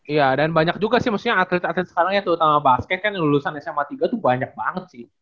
iya dan banyak juga sih maksudnya atlet atlet sekarang ya terutama basket kan lulusan sma tiga tuh banyak banget sih